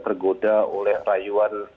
tergoda oleh rayuan